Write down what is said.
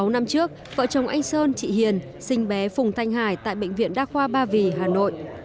sáu năm trước vợ chồng anh sơn chị hiền sinh bé phùng thanh hải tại bệnh viện đa khoa ba vì hà nội